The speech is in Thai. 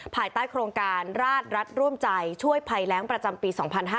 ภายใต้โครงการราชรัฐร่วมใจช่วยภัยแรงประจำปี๒๕๕๙